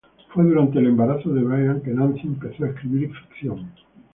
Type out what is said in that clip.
Fue durante el embarazo de Brian que Nancy empezó a escribir ficción.